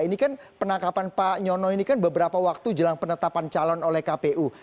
ini kan penangkapan pak nyono ini kan beberapa waktu jelang penetapan calon oleh kpu